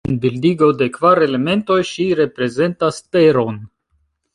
En bildigo de Kvar elementoj ŝi reprezentas Teron.